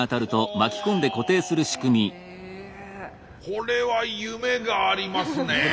これは夢がありますね。